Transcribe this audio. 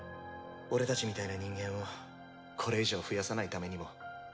俺たちみたいな人間をこれ以上増やさないためにも。